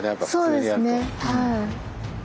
はい。